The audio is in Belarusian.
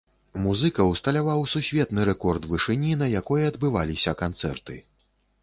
Музыка ўсталяваў сусветны рэкорд вышыні, на якой адбываліся канцэрты.